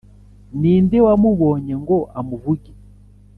Ni nde wamubonye ngo amuvuge?